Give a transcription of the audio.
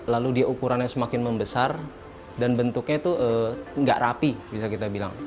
lalu ukurannya semakin membesar dan bentuknya tidak rapi bisa kita bilang